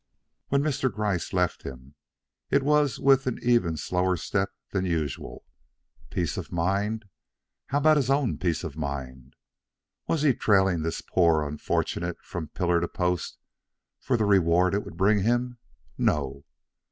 When Mr. Gryce left him, it was with an even slower step than usual. Peace of mind! How about his own peace of mind? Was he trailing this poor unfortunate from pillar to post, for the reward it would bring him? No.